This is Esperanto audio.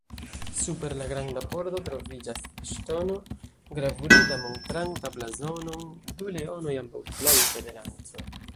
Super la granda pordo troviĝas ŝtono gravurita montranta blazonon: du leonoj ambaŭflanke de lanco.